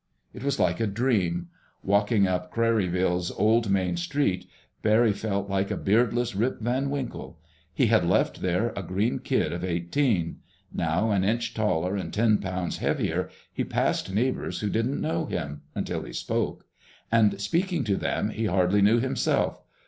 It was all like a dream. Walking up Craryville's old main street, Barry felt like a beardless Rip Van Winkle. He had left there a green kid of eighteen. Now, an inch taller and ten pounds heavier, he passed neighbors who didn't know him—until he spoke. And, speaking to them, he hardly knew himself.